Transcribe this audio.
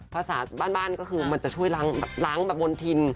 ภาษาบ้านก็คือมันจะช่วยแบบล้างแบบบนทิน